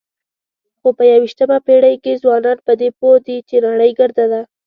خو په یوویشتمه پېړۍ کې ځوانان په دې پوه دي چې نړۍ ګرده ده.